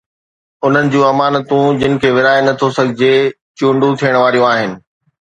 انهن جون امانتون، جن کي ورهائي نٿو سگهجي، چونڊون ٿيڻ واريون آهن.